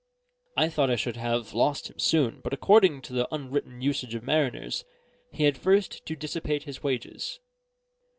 I thought I should have lost him soon; but according to the unwritten usage of mariners, he had first to dissipate his wages.